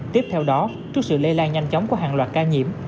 tiếp theo đó trước sự lây lan nhanh chóng của hàng loạt ca nhiễm